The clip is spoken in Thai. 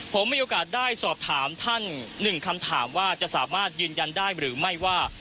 ผมมีโอกาสได้สอบถามท่านหนึ่งคำถามว่าจะสามารถยืนยันได้หรือไม่ว่า